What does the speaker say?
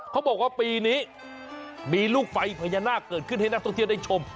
เขาบอกว่าปีนี้มีลูกไฟพญานาคเกิดขึ้นให้นักท่องเที่ยวได้ชม